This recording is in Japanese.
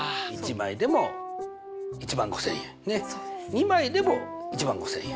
２枚でも１５０００円。